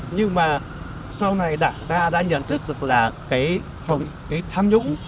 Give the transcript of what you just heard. nhưng mà sau này đảng ta đã nhận thức được là cái tham nhũng